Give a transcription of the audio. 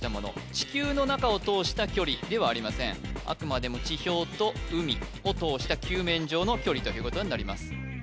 地球の中を通した距離ではありませんあくまでも地表と海を通した球面上の距離ということになります